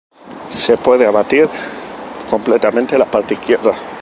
Se puede abatir completamente la parte izquierda.